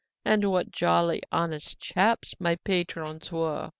And what jolly, honest chaps my patrons were!